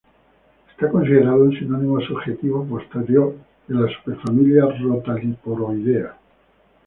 Es considerado un sinónimo subjetivo posterior de la superfamilia Rotaliporoidea.